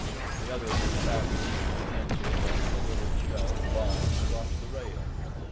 The other was tapping with his pencil upon the little shelf lying across the rail.